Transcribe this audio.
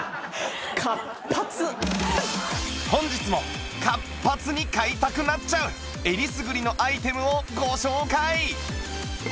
本日も活発に買いたくなっちゃうえりすぐりのアイテムをご紹介